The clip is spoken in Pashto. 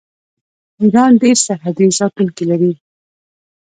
ایران ډیر سرحدي ساتونکي لري.